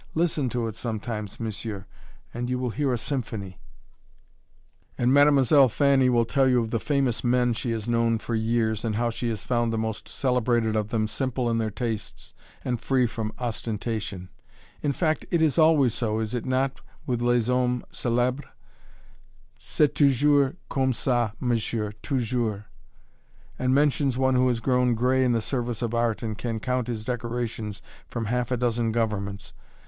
Listen to it sometimes, monsieur, and you will hear a symphony!" [Illustration: "LA FILLE DE LA BLANCHISSEUSE" By Bellanger. Estampe Moderne] And Mademoiselle Fanny will tell you of the famous men she has known for years, and how she has found the most celebrated of them simple in their tastes, and free from ostentation "in fact it is always so, is it not, with les hommes célèbres? C'est toujours comme ça, monsieur, toujours!" and mentions one who has grown gray in the service of art and can count his decorations from half a dozen governments.